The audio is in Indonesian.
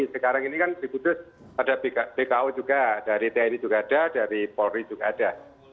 sekarang ini kan di kudus ada bko juga dari tni juga ada dari polri juga ada